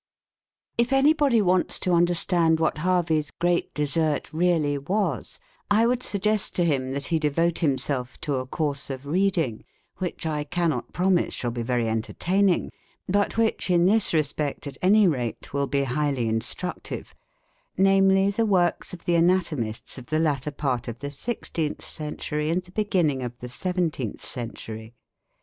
If anybody wants to understand what Harvey's great desert really was, I would suggest to him that he devote himself to a course of reading, which I cannot promise shall be very entertaining, but which, in this respect at any rate, will be highly instructive namely, the works of the anatomists of the latter part of the 16th century and the beginning of the 17th century.